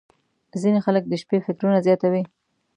• ځینې خلک د شپې فکرونه زیاتوي.